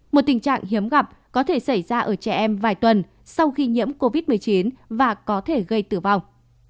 một tình trạng hiếm gặp có thể xảy ra ở trẻ em vài tuần sau khi nhiễm covid một mươi chín và có thể gây tử vong